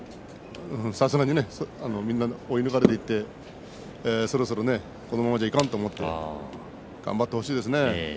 さすがにみんなに追い抜かれていってそろそろ、このままではいかんと思って頑張ってほしいですね。